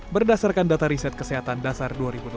berdasarkan data riset kesehatan dasar dua ribu delapan belas